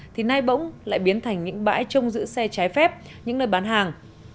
thì nay bỗng lại biến thành những bãi trông giữ xe trái phép những nơi bán hàng